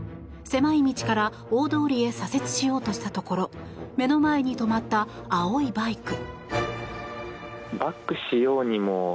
狭い道から大通りへ左折しようとしたところ目の前に止まった青いバイク。